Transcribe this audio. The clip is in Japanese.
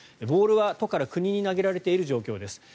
ボールは都から国に投げられている状況です。